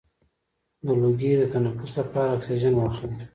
د لوګي د تنفس لپاره اکسیجن واخلئ